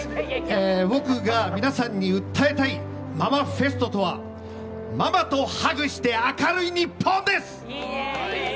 僕が皆さんに訴えたいママフェストとはママとハグして明るい日本です！